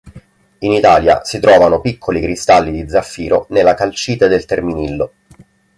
In Italia si trovano piccoli cristalli di zaffiro nella calcite del Terminillo.